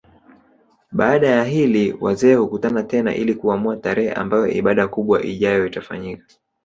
Baada ya hili wazee hukutana tena ili kuamua tarehe ambayo ibada kubwa ijayo itafanyika